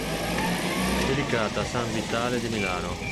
È dedicata a san Vitale di Milano.